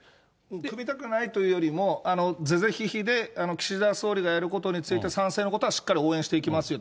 組みたくないというよりも、是々非々で、岸田総理がやることについて、賛成のことはしっかり応援していきますよと。